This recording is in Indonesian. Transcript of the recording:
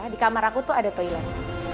di kamar aku tuh ada toilet